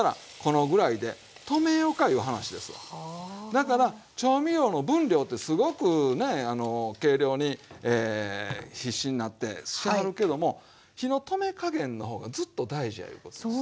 だから調味料の分量ってすごくねあの計量に必死になってしはるけども火の止め加減の方がずっと大事やいうことですよ。